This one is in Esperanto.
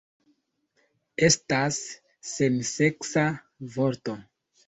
Estas senseksa vorto.